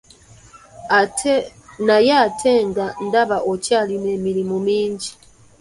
Naye ate nga ndaba okyalina emirimu mingi.